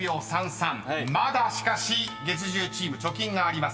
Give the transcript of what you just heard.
［まだしかし月１０チーム貯金があります］